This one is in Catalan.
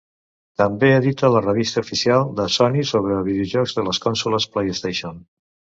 També edita la revista oficial de Sony sobre videojocs de les consoles PlayStation.